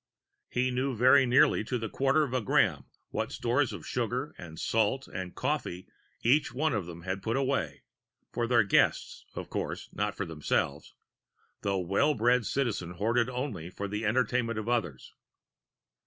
He knew very nearly to the quarter of a gram what stores of sugar and salt and coffee each one of them had put away for their guests, of course, not for themselves; the well bred Citizen hoarded only for the entertainment of others.